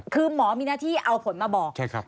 คือหมอมีหน้าที่เอาผลมาบอก